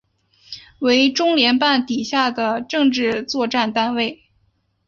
为中联办底下的政治作战单位。